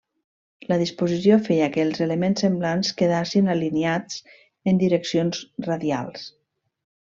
La disposició feia que els elements semblants quedassin alineats en direccions radials.